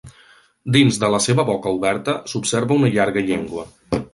Dins de la seva boca oberta s'observa una llarga llengua.